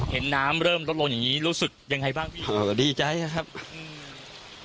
เห็นน้ำเริ่มลดลงอย่างงี้รู้สึกยังไงบ้างพี่เออก็ดีใจครับอืม